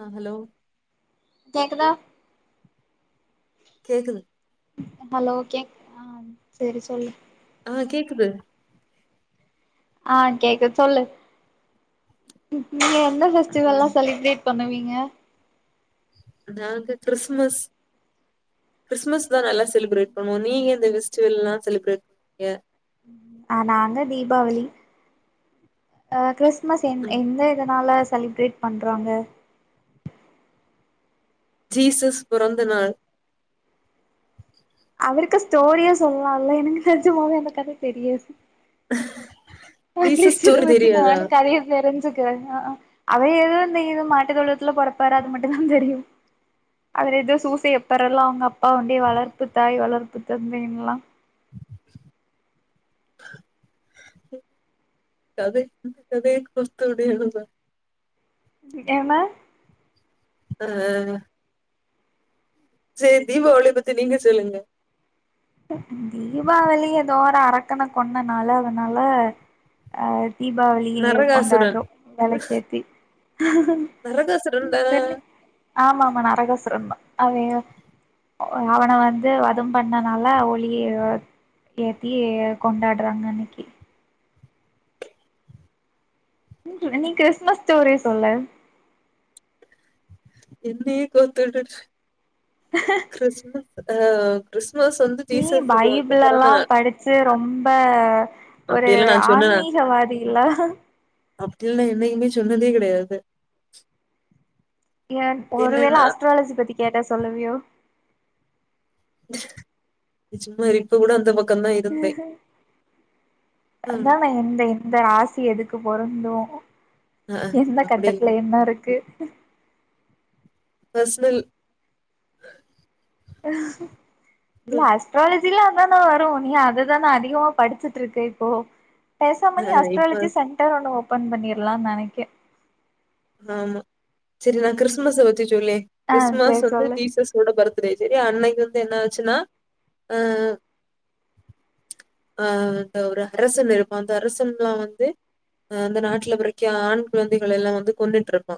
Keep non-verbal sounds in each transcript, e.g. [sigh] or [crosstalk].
ஆஹ ஹலோ கேக்கதா கேக்குது ஹலோ கேக் ஆ செரி சொல்லு ஆ கேக்குது ஆ கேக்குது சொல்லு நீங்க எந்த ஆ ஃபெஸ்டிவெல்லா செலிப்ரேட் பண்ணுவீங்க நாங்க கிறிஸ்மஸ் கிறிஸ்மஸ் தா நல்லா செலிப்ரேட் பண்ணுவோ நீங்க எந்த ஃபெஸ்டிவெல்லா செலிப்ரேட் பண்ணுவீங்க ஆ நாங்க தீபாவளி அ கிறிஸ்மஸ் எந் ம் எந்த இதனால செலிப்ரேட் பண்றாங்க ஜீசஸ் பிறந்த நாள் இதுக்கு ஸ்டோரியா சொல்லால்ல எனக்கு நெஜமாவே அந்த கத தெரியாது ஜீசஸ் அட்லீஸ்ட் இத ஸ்டோரி வச்சி தெரியாதா நானு கதைய தெரிஞ்சுக்கிறே அ அவர் ஏதோ இந்த இது மாட்டு தொழுவத்துல பொறப்பாரு அது மட்டுந்தா தெரியு அதுல எதோ சூசையப்பர் எல்லா அவங்க அப்பா வண்டி வளர்ப்பு தாய் வளர்ப்பு தந்தைன்ல்லா [inaudible] என்ன ஆ சரி தீபாவளிய பத்தி நீங்க சொல்லுங்க தீபாவளி எதோ ஒரு அரக்கன கொன்ன நாளு அதனால அ தீபாவளியை நரகாசுரன் கொண்டாடறோ வெளக்கேத்தி நரகாசுரன் தான சரி ஆமா ஆமா நரகாசுரன்தா அவய அவன வந்து வதம் பண்ண னாலா ஒளிய ஏத்தி கொண்டாடுறாங்க அன்னைக்கு நீ கிறிஸ்மஸ் ஸ்டோரி சொல்லு என்னையே கோத்துடு கிறிஸ்மஸ் ஆ கிறிஸ் நீ பைபிள் எல்லா படிச்சு ரொம்ப ஒரு அப்டியெல்லா நா ஆன்மீகவாதி இல்ல அப்படில்லா என்னைக்குமே சொன்னதே கிடையாது ஏ ஒருவேளை அஸ்ட்ராலஜி பத்தி கேட்டா சொல்லுவியோ சும்மா இப்ப கூட அந்த பக் ம். அதான இந்த இந்த ராசி எதுக்கு பொிறந்தோ அ, அ. எந்த அப்படி இல்ல. கட்டத்துல என்ன இருக்கு உஹ பர்சனல் இல்ல ம். அஸ்ட்ரால ஜில அதான வரு நீ அததான அதிகமா படிச்சுட்ருக்க இப்போ பேசாம அ, நீ இப்ப அஸ்ட்ராலஜி சென்டர் ஒண்ணு ஓபன் பண்ணிரலான் நெனைக்க ஆமா சரி நா கிறிஸ்மஸ வச்சு சொல்லே ஆ கிறிஸ்மஸ் சேரி வந்து சொல்லு ஜீசஸோட பர்த் டே சரியா அன்னைக்கு வந்து என்ன ஆச்சுனா அ ஆ இந்த ஒரு அரசன் இருக்கு அந்த அரசன்லா வந்து அந்த நாட்டுல பிறக்க ஆண் குழந்தைகள் எல்லா வந்து கொன்னுட்ருப்பா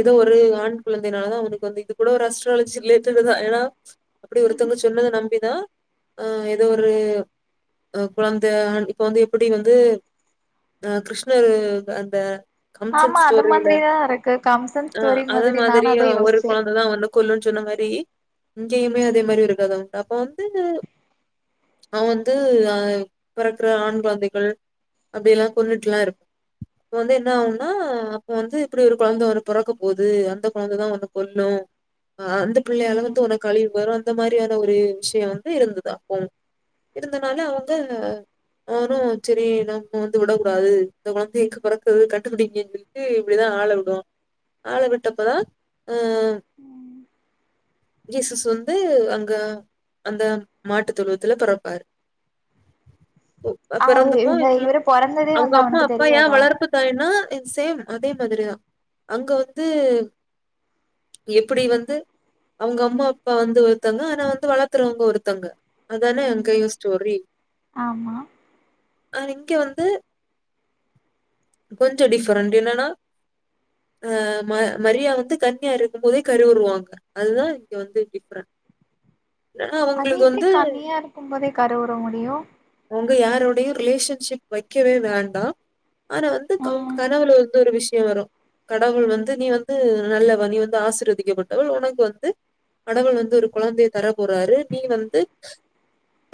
எதோ ஒரு ஆண் குழந்தைனால தா அவுனுக் கு இது கூட ஒரு அஸ்ட்ராலஜி ரிலேட்டடு தா ஏனா அப்பிடி ஒருத்தவங்க சொன்னத நம்பிதா அ ஏதோ ஒரு அ குழந்தை இப்ப வந்து எப்பிடி வந்து அ கிருஷ்ணரு அந்த கம்சன் ஆமா அது ஸ்டோரில மாதிரிதா இருக்கு கம்சன் ஆ ஸ்டோரி அத நானு மாதிரி அதா ஒரு யோசிச்சே கொழந்ததா வந்து கொல்லுன் சொன்ன மாரி இங்கயுமே அதே மாரி ஒரு கத உண்டு அப்ப வந்து அவ வந்து அ பெறக்குற ஆண் குழந்தைகள் அப்டில்லா கொன்ட்டுல்லா இருப் இப்ப வந்து என்ன அவங்க ஆ அப்ப வந்து இப்படி ஒரு கொழந்த ஒன்னு பிறக்க போகுது அந்த கொழந்தைதா ஒண்ணு கொல்லு ஆ அந்த பிள்ளையால வந்து ம் உனக்கு கழிவு வரும் அந்த மாதிரியான ஒரு விஷய வந்து இருந்தது அப்போ இருந்தனால அவங்க அவனு சரி நம்ம வந்து விடக்க கூடாது இந்த கொழந்தை எங்கு பிறக்கறது கண்ட ண்டுபிடிங்க எங்ளுக்கு இப்படிதா ஆள விடு ஆள விட்டப்பதா ம் கீசஸ் வந்து அங்க அந்த மாட்டு தொழுவத்துல பிறப்பாரு ஆ பிறந்தப்போ இந்த என்ன இவரு பொறந்ததே அவங்க வந்து அம்மா அவனுக்கு அப்பா ஏ தெரியாதா வளர்ப்பு தாயினு ஆ சேம் அதே மாதிரிதா அங்க வந்து எப்டி வந்து அவங்க அம்மா அப்பா வந்து ஒருத்தங்க ஆனா வந்து வள்த்துறவங்க ஒருத்தங்க அதானே ம் அங்கயு ஸ்டோரி ஆமா ஆ இங்க வந்து கொஞ்ச டிஃபரெண்ட் என்னன்னா ஆ ம மரியா வந்து கன்னியா இருக்கும் போதே கருவுறுவாங்க அதுதா இங்க வந்து டிஃப்ரெண்ட் அது எப்டி கண்ணியா இருக்கும் போதே கருவுற முடியு அவங்க யாரோடயு ரிலேஷன்ஷிப் வைக்கவே வேண்டா ஆனா வந்து ஆ அவ்ங்க கனவுல வந்து ஒரு விஷய வரு கடவுள் வந்து நீ வந்து நல்லவ நீ வந்து ஆசிர்வதிக்கப்பட்டவள் ஒனக்கு வந்து கடவுள் வந்து ஒரு குழந்தைய தர போறாரு நீ வந்து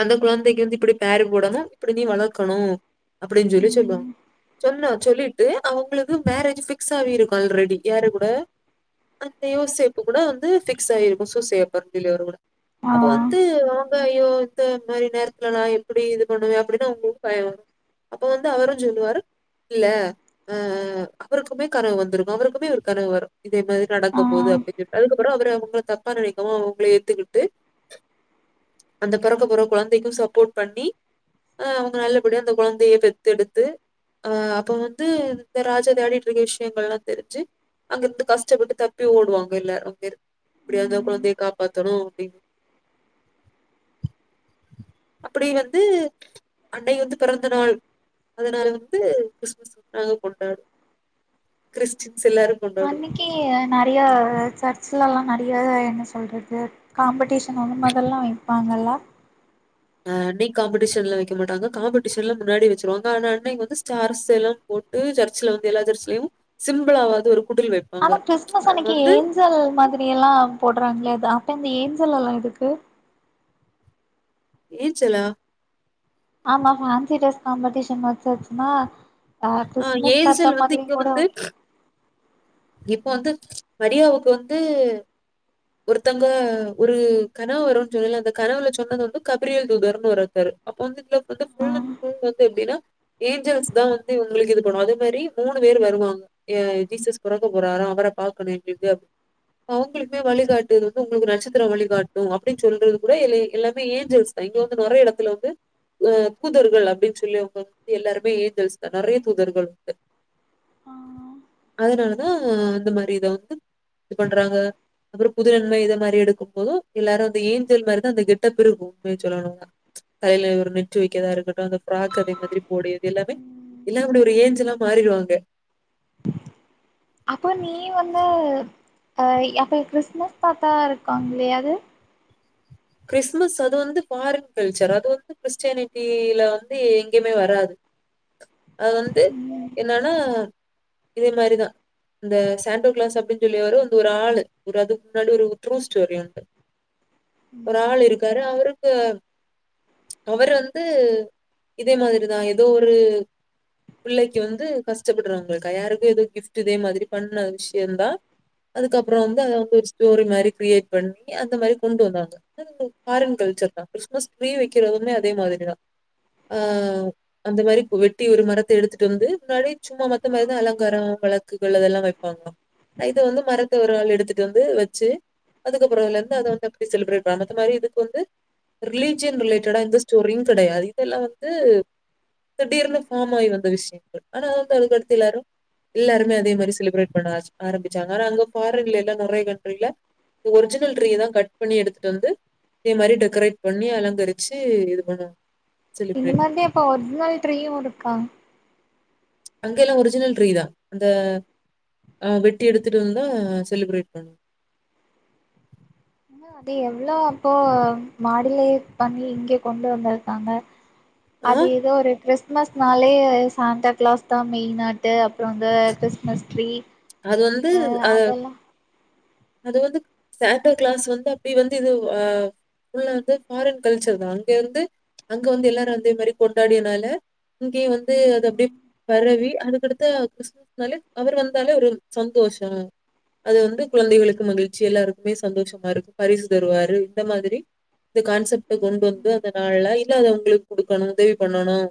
அந்த குழந்தைக்கு வந்து இப்டி பேரு போடணு இப்படி நீ வளக்கணு அப்டின்னு சொல்லி சொல்லுவாங்க ம் சொன்னா சொல்லிட்டு அவங்களுக்கு மேரேஜ் பிக்ஸ் ஆகி இருக்கு ஆல்ரெடி யா கூட அந்த யோசேப்பு கூட வந்து பிக்ஸ் ஆயிருக்கு சூசேப்பு டலிவரி கூட ஆ அப்ப வந்து அவங்க ஐயோ இந்த மாரி நேரத்துல நா எப்டி இது பண்ணுவே அப்டின்னு அவங்களுக்கு பய அப்ப வந்து அவருஞ் சொல்லுவாரு இல்ல அ ஆ அவருக்குமே கனவு வந்துருக்கு அவருக்குமே ஒரு கனவு வரு இதே மாரி ஆ நடக்கும்போது அப் அதுக்கப்புற அவற அவங்க தப்பான நெனைக்காம அவங்களே ஏத்துக்கிட்டு [unintelligible] அந்த பொறக்க போற கொழந்தைக்கு சப்போட் பண்ணி அ அவங்க நல்லபடியா அந்த கொழந்தைய பெத்தெடுத்து அ அப்போ வந்து இந்த ராஜா தேடிட்ருக்க விஷயங்கள்லா தெரிஞ்சு அங்க இருந்து கஷ்டப்பட்டு தப்பி ஓடுவாங்க எல்லாரும்ங்க பேரு அப்படிய இருந்த குழந்தைய காப்பாத்தணு அப்டின்னு [inaudible] அப்டி வந்து அண்டை வந்து பிறந்த நாள் அதனால வந்து கிறிஸ் நாங்க கொண்டாடுவோ கிறிஸின் அன்னைக்கு நெறைய சர்ச்சலல்லா ந ஆ என்ன சொல்றது காம்படீஷன் வந்து மொதல்லா வைப்பாங்கல்ல ஆ டி காம்படிஷன்ல வைக்க மாட்டாங்க காம்படிஷன்ல முன்னாடி வச்சிருவாங்க ஆனா அன்னைக்கு வந்து ஸார்ஸ் எல்லா போ போட்டு சர்ல வந்து எல்லா சர்ச்சலயு சிம்பிளாவது ஒரு குடில் வைப்பாங்க. ஆனா கிறிஸ்துமஸ் அது அன்னைக்கு வந்து ஏஞ்சல் மாதிரியெல்லா போடுறாங்களே இதா இப்ப இந்த ஏஞ்சல்ல்லா எதுக்கு ஏ சலா ஆமா ஃான்சி டிரெஸ் காம்படிஷ வச்சச்சுமா ஆ ஏது செல் வந்து இப்ப வந்து இப்ப வந்து மரியாவுக்கு வந்து ஒருத்தங்க ஒரு கனவு வரும்ன்னனு சொன்னில அந்த கனவுல சொன்னது வந்து கபரியல் தூதர்ன்னு ஒருத்தரு அப்ப வந்து ப்ளஸ் வந்து புள்ளன்புள் எப்டினா ஏஞ்சல்ஸ் தான் வந்து இவங்களுக்கு இது பண்ணே அதே மாரி மூன் லந்துவேர் வருவாங்க எ ஜீசஸ் பெறக்க போறாராம் அவரை பாக்கணும் எங்ளுக்கே அவுங்களுக் கு வழிகாட்டுறது வந்து உங்களுக்கு நட்சத்திர வழிகாட்டும் அப்டின்னு சொல்றது கூட எல்லாமே ஏஞ்சல் இங்க வந்து நிறைய இடத் துல வந்து அஹ் தூதர்கள் அப்டின்னு சொல்லி அவங்க வந்து எல்லாருமே ஏஞ்சல்ஸ் தான் நிறைய தூதர்கள் உண்டு ஆ அதனாலதான் அந்த மாதிரி இத வந்து இது பண்றாங்க அப்புறம் புதுநன்மை இத மாதிரி எடுக்கும் போதும் எல்லாரும் அந்த ஏஞ்சல் மாரிதான் அந்த கெட்டப் பிருக்கும் உண்மைய சொல்லணுன்னா கையில ஒரு நெட்டு வைக்கதா இருக்கட்டும் அந்த ஃப்ராக் அதே மாதிரி போடது எல்லாமே ம் எல்லாம் அப்டி ஒரு ஏஞ்சல்லா மாறிடுவாங்க அப்போ நீ வந்து அ அப்போ கிறிஸ்துமஸ் தாத்தா இருக்காங்களே அது கிறிஸ்துமஸ் அது வந்து ஃபாரின் கல்ச்சர் அது வந்து கிறிஸ்டானிட்டில வந்து எங்கேயுமே வராது அது வந்து ம் என்னன்னா இதே மாரிதான் இந்த சாண்டோ கிளாஸ் அப்டின்னு சொல்லிவொரு வந்து ஒரு ஆளு ஒரு அதுக்கு முன்னாடி ஒரு ட்ரூ ஸ்டோரி உண்டு [unintelligible] ஒரு ஆள் இருக்காரு அவுருக்கு அவர் வந்து இதே மாதிரிதான் ஏதோ ஒரு பிள்ளைக்கு வந்து கஷ்டப்படுறவங்களுக்கா யாருக்கோ இதோ கிஃப்ட் இதே மாதிரி பண்ண விஷயம்தா அதுக்கப்புறம் வந்து அத வந்து ஒரு ஸ்டோரி மாரி கிரியேட் பண்ணி அந்த மாரி கொண்டு வந்தாங்க அது வந்து பாரின் கல்ச்சர் தான் கிறிஸ்துமஸ் ட்ரீ வைக்கிறதுமே அதே மாதிரிதா ஆஹ் அந்த மாதிரி வெட்டி ஒரு மரத்தை எடுத்துட்டு வந்து முன்னாடி சும்மா ஆ மத்த மாதிரிதான் அலங்காரம் வழக்குகள் அதெல்லாம் வைப்பாங்க இதை வந்து மரத்த ஒரு ஆள் எடுத்துட்டு வந்து வச்சு அதுக்கப்புறம்ல இருந்து அதை வந்து அப்டி செலிப்ரேட் போனது மாரி இதுக்கு வந்து ரிலிஜியன் ரிலேட்டடா எந்த ஸ்டோரியும் கெடையாது இதெல்லாம் வந்து திடீர்னுஃபாம் ஆகிவந்த விஷயங்கள் ஆனா வந்து அதுக் அடுத்து எல்லாரும் எல்லாருமே அதேமாரி செலிப்ரேட் பண்ண ஆச் ஆரம்பிச்சாங்க ஆனா அங்க பாரின்ல எல்லா நிறைய கண்ட்ரில்ல ஒரிஜினல்ட்ரீய தான் கட் பண்ணி எடுத் து வந்து இதே மாரி டெக்கரேட் பண்ணி அலங்கரிச்சு இது பண்ணுவாங் இந்த மாதி அப்ப ஒரிஜனல் ட்ரீயும் இருக்கா அங்க எல்லாம் ஒரிஜினல் ட்ரீதான் அந்த ஆஹ் வெட்டி எடுத்துட்டு வந்தா செலிப்ரேட் பண்ணு [inaudible] அது எவ்ளோ அப்போ மாடிலே பண்ணி இங்கே கொண்டு வந்திருக்காங்க அது ஆஹ் ஏதோ ஒரு ட்ரெஸ் கிறிஸ்மஸ்னாலே சாந்தா க்ளாஸ் தான் மெயின் ஆட்டு அப்புறம் வந்து கிறிஸ்மஸ் ட்ரீ அது வந்து அ அஹ அதெல்லா அது வந்து சான்டா கிளாஸ் வந்து அப்டி வந்து இதுவு ஆஹ் உள்ள வந்து ஃபாரின் கல்ச்சர் தான் அங்க வந்து அங்க வந்து எல்லாரு அதே மாரி கொண்டாடியனால இங்கேயும் வந்து அது அப்டியே பரவி அதுக்கடுத்து கிறிஸ்துமஸ்னால அவர் வந் தாலே ஒரு சந்தோஷொம் அது வந்து குழந்தைகளுக்கு மகிழ்ச்சி எல்லாருக்குமே சந்தோஷமா இருக்கு பரிசு தருவாரு இந்த மாதிரி இந்த கான்செப்ட கொண்டு வந்து ம் அந்த நாள்ல இல்லாதவங்களுக்கு கொடுக்கணும் உதவி பண்ணணும்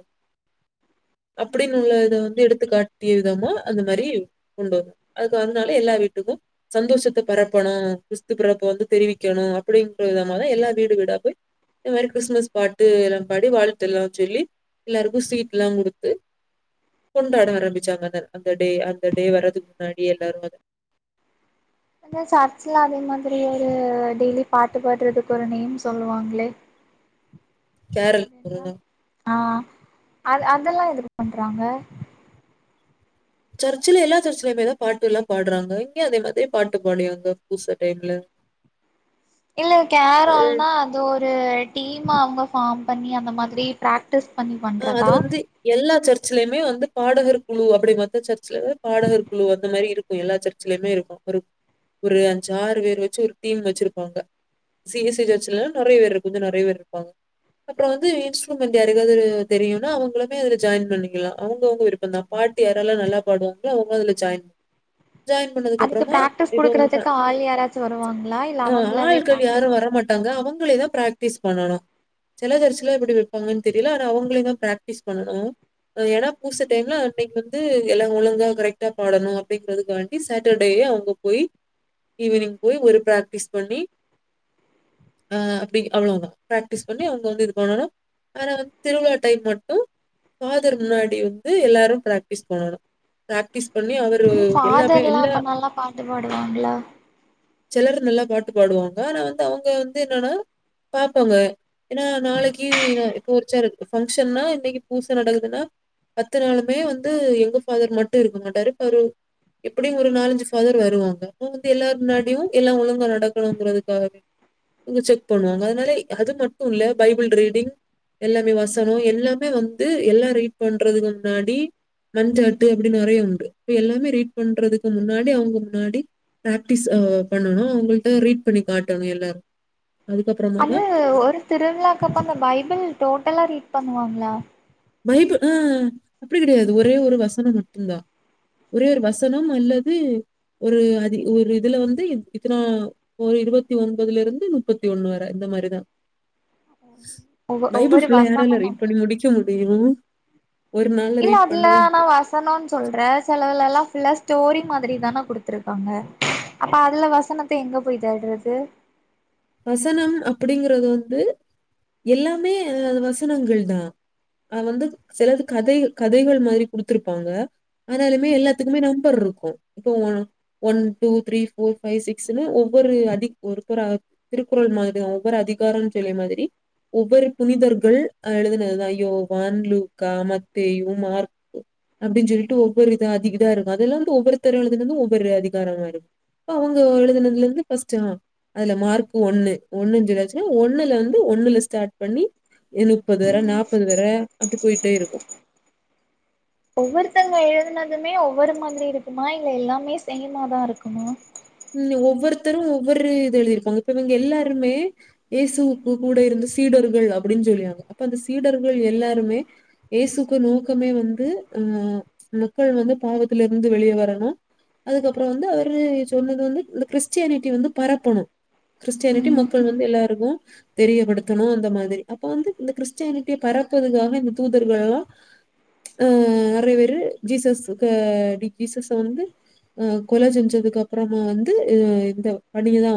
அப்படின்னு உள்ள இத வந்து எடுத்து காட்டிய விதமா அந்த மாரி கொண்டு அதுக்கு வன்னால எல்லா வீட்டுக்கும் சந்தோஷத்த பரப்பணும் கிறிஸ்து பிறப்பு வந்து தெரிவிக்கணும் அப்படின் அப்படிங்கற விதமா தான் எல்லாம் வீடு வீடா போய் இந்த மாரி கிறிஸ்மஸ் பாட்டு எல்லாம் பாடி வாழ்த்து எல்லாம் சொல்லி எல்லாருக்கும் ஸ்வீட்லாம் கொடுத்து கொண்டாட ஆரம்பிச்சாங்க அந்த அந்த டே இந்த டே வர்றதுக்கு முன்னாடி எல்லாரும் அத இந்த சர்ச்ல அதே மாதிரி ஒரு டெய்லி பாட்டு பாடுறதுக்கு ஒரு நேம் சொல்லுவாங்களே கேரள் அது [unintelligible] என்ன ஆ அத அதெல்லாம் எது பண்றாங்க சர்ச்சல எல்லா சர்ச்சலயுமே தா பாட்டு எல்லா பாடுறாங்க இங்க அதே மாதிரி பாட்டு பாடியாங்க பூச டைம்ல [inaudible] இல்ல அது கேரல்னா அது ஒரு டீமா அவங்க ஃபார்ம் பண்ணி அந்த மாதிரி ப்ரா ஆ அது வந்து எல்லா சர் ச்ர்லயுமே வந்து பாடகர் குழு அப்படி பாத்த சர்ச்ல பாடகர் குழு அந்த மாதிரி இருக்கும் எல்லா சர்ச்சலயுமே இருக்கும் ஒரு ஒரு அஞ்சாறு பேர் வச்சு ஒரு டீம் வச்சிருபாங்க சி எஸ் சி சர்ச்ல நெறைய பேரு இரு கொஞ்சொ நெறைய பேர் இருப்பாங்க அப்புற வந்து இன்ஸ்ட்ருமென்ட் யாரக்காவது தெரியும்னா அவங்களுமே அது ஜாயின் பண்ணிக்கலா அவங்கவுங்க விருப்பம் தா பாட்டு யாரல்ல நல்ல பாடுவாங்களோ அவங்க அதுல ஜாயின் [inaudible] ஜாயின் பண்ணதுக்கு அதுக்கு அப்புறமா பிராக்டிஸ் எதுவும் ச குடுக்கறதுக்கு ஆள் யாராச்சு வருவாங்களா இல்ல அ அவங்களாவே ஆள்கள் பிராக்டிஸ் யாரும் வரமாட்டாங்க அவங்க நம்லேதான் ப்ராக்டிஸ் பண்ணணும் சில சர்ச்சுல எப்டி வைப்பாங்கன்னு தெரியல ஆனா அவங்க நம்ளேதா ப்ராக்டிஸ் பண்ணணும் ஏன்னா பூச டைம்ல அன்னைக்கு வந்து எல்லாம் ஒழுங்கா கரெக்டா பாடணும் அப்படிங்கிறதுதுக்காண்டி சாட்டர்டே வே அவங்க போய் ஈவினிங் போய் ஒரு ப்ராக்டிஸ் பண்ணி அ அப்டி அவ்வளவுதா ப்ராக்டிஸ் பண்ணி அவங்க வந்து இது பண்ணணும் ஆனா வந்து திருவிழா டைம் மட்டும் பாதர் முன்னாடி வந்து எல்லாரும் ப்ராக்டிஸ் பண்ணணும் ப்ராக்டிஸ் பண்ணி அவர் உ ஃபாதர்ல்லாம் அப்ப நல்லா பாட்டு பாடுவாங்களா சிலர் நல்லா பாட்டு பாடுவாங்க ஆனா வந்து அவங்க வந்து என்னன்னா பாப்போங்க ஏன்னா நாளைக்கு இப்போ ஒருச்சா இரு ஃபங்க்ஷன்ன்னா இன்னைக்கு பூச நடக்குதுன்னா பத்து நாளுமே வந்து எங்க ஃபாதர் மட்டும் இருக்க மாட்டாரு பாரு எப்படியும் ஒரு நாலஞ்சு ஃபாதர் வருவாங்க அவங்க வந்து எல்லா முன்னாடியும் எல்லாம் ஒழுங்கா நடக்கணுங்கிறதுக்காகவே உங்க செக் பண்ணுவாங்க அதனால அது மட்டும் இல்ல பைபிள் ரீடிங் எல்லாமே வச னம் எல்லாமே வந்து எல்லா ரீட் பண்றது முன்னாடி மஞ்சாட்டு அப்டின் நெறைய உண்டு இப்ப எல்லாமே ரீட் பண்றதுக்கு முன்னாடி அவங்க முன்னாடி ப்ராக்டிஸ் பண்ணணும் அவங்கள்ட்ட ரீட் பண்ணி காட்டணும் எல்லார் அது ஒரு திருவிழாக்கு அப்ப அந்த பைபிள் டோட்டலா ரீட் பண்ணுவாங்ளா பைபிள் அ அப்டி கிடையாது ஒரே ஒரு வசனம் மட்டும் தா ஒரே ஒரு வசனம் அல்லது ஒரு அ ஒரு இதுல வந்து இத்தனா ஒரு இருபத்தி ஒன்பதுல இருந்து முப்பத்தி ஒண்ணு வர இந்த மாரிதா ஆ பைபிள் ஃபுல்ல யாரால ரீட் அப்போ பண்ணி முடிக்க முடியு இல்ல அதுல நா வசனுன் சொல்றே செல இதுலல்லா ஃபுல்லா ஸ்டோரி மாதிரி தான கொடுத்துருக்காங்க அப்ப அதுல வசனத்த எங்க போய் தேடுறது வசனம் அப்படிங்கறது வந்து எல்லாமே வசனங்கள் தான் அ வந்து சிலது கதை கதைகள் மாதிரி குடுத்துருப்பாங்க அதனாலுமே எல்லாத்துக்குமே நம்பர் இருக்கு இப்ப one two three four five six ஒவ்வொரு அதி ஒருக்கொரு அ திருக்குறள் மாதிதா ஒவ்வொரு அதிகாரம்னு சொல்லிய மாதிரி ஒவ்வொரு புனிதர்கள் அ எழுதுனதுதா யோவான் லூகா மத்தேயு மார் அப்டின்னு சொல்லிட்டு ஒவ்வொரு இது அதிக இதா இருக்கு அதெல்லா வந்து ஒவ்வொருத்தர் எழுதுனது இருந்து ஒவ்வொரு அதிகாரமா இருக் அவங்கவுங்க எழுதுனதுல இருந்து ஃபர்ஸ்ட் அதுல மார்க் கு ஒண்ணு ஒண்ணுன்னு சொல்லியாச்சுன்னா ஒண்ணுல வந்து ஒண்ணுல ஸ்டார்ட் பண்ணி ஏ முப்பது வேற நாற்பது வேற அப்டி போயிட்டே இருக்கு [inaudible] ஒவ்வொருத்தவங்க எழுதினதுமே ஒவ்வொரு மாதிரி இருக்குமா இல்ல எல்லாமே சேமாதா இருக்குமா ம் ஒவ்வொருத்தரு ஒவ்வொரு இது எழுதிருப்பாங்க இப்ப இவங்க எல்லாருமே இயேசுவுக்கு கூட இருந்து சீடர்கள் அப்படின்னு சொல்லாங்க அப்ப அந்த சீடர்கள் எல்லாருமே ஏசுக்கு நோக்கமே வந்து ம் மக்கள் வந்து பாவத்தில இருந்து வெளியே வரணு அதுக்கப்புற வந்து அவரு சொன்னது வந்து இந்த கிறிஸ்டியானிட்டி வந்து பரப்பணு கிறிஸ்டியானிட்டி ம் மக்கள் வந்து எல்லாருக்கு தெரியப்படுத்தணு அந்த மாதிரி அப்ப வந்து இந்த கிறிஸ்டியானிட்டிய பரப் பத்துதுக்காக இந்த தூதர்களா ஆ நெறைய பேரு ஜீசஸ் டி ஜீசஸ் வந்து அ கொலை செஞ்சதுக்கு அப்புறமா வந்து இந்த பணியதா